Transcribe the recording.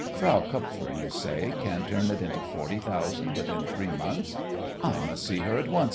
"Frau Kupfer, you say, can turn it into forty thousand within three months? I must see her at once.